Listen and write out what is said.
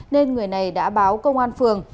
nên người này đã báo công an phường